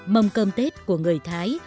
mâm cỗ tết của người thái